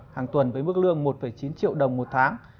hàng tuần với mức lương một chín triệu đồng một tháng